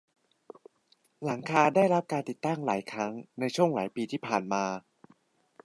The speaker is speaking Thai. หลังคาได้รับการติดตั้งหลายครั้งในช่วงหลายปีที่ผ่านมา